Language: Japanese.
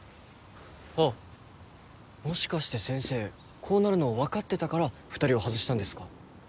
あっもしかして先生こうなるの分かってたから２人を外したんですか？